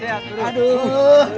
apa sehat tuh